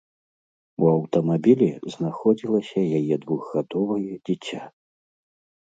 У аўтамабілі знаходзілася яе двухгадовае дзіця.